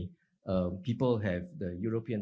orang memiliki taxonomy eropa